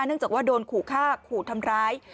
เนื่องจากว่าโดนขู่ฆ่าขู่ทำร้าย